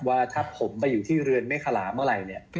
ว่าถ้าผมไปอยู่ที่เรือนเมฆขลาเมื่อไหร่เนี่ย